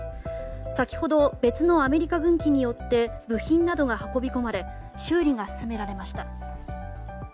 先ほど別のアメリカ軍機によって部品などが運び込まれ修理が進められました。